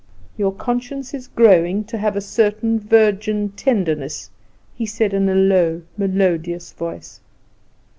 "Your conscience is growing to have a certain virgin tenderness," he said, in a low, melodious voice.